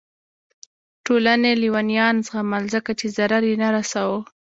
ټولنې لیونیان زغمل ځکه چې ضرر یې نه رسوه.